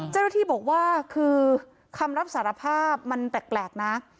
เจ้าหน้าที่บอกว่าคือคำรับสารภาพมันแปลกนะ